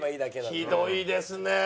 ひどいですね！